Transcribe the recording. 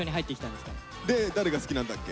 で誰が好きなんだっけ？